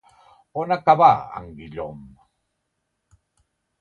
On acabà en Guillaume?